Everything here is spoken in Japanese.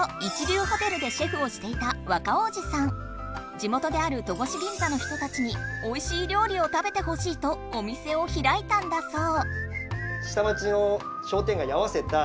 地元である戸越銀座の人たちにおいしいりょうりを食べてほしいとお店をひらいたんだそう。